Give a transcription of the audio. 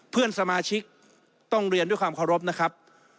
เพื่อนสมาชิกต้องเรียนด้วยความเคารพนะครับ